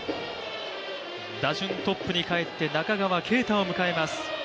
打順トップに帰って、中川圭太を迎えます。